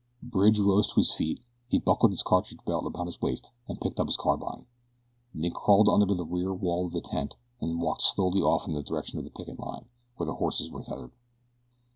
Bridge rose to his feet. He buckled his cartridge belt about his waist and picked up his carbine, then he crawled under the rear wall of his tent and walked slowly off in the direction of the picket line where the horses were tethered.